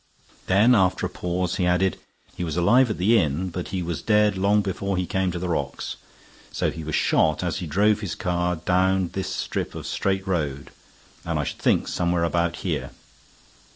Then after a pause he added: "He was alive at the inn, but he was dead long before he came to the rocks. So he was shot as he drove his car down this strip of straight road, and I should think somewhere about here.